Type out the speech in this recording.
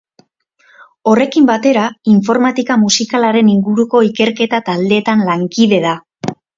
Horrekin batera, informatika musikalaren inguruko ikerketa taldeetan lankide da.